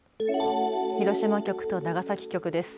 広島局と長崎局です。